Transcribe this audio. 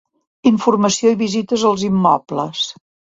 Informació i visites als immobles.